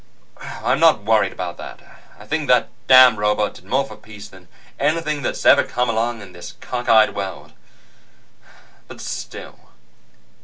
"I'm not worried about that. I think that damn robot did more for peace than anything that's ever come along in this cockeyed world. But still